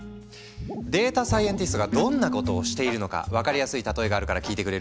データサイエンティストがどんなことをしているのか分かりやすい例えがあるから聞いてくれる？